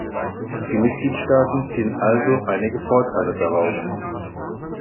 Die Mitgliedstaaten ziehen also einige Vorteile daraus.